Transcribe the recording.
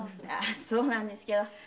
そうなんですけど。